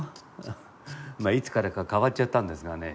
まあいつからか変わっちゃったんですがね。